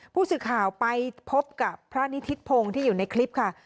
ผู้สื่อข่าวไปพบกับพระนิทิศพงศ์ที่อยู่ในคลิปค่ะ